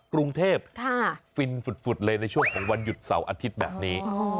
กรุงเทพฟินฝุดเลยในช่วงของวันหยุดเสาร์อาทิตย์แบบนี้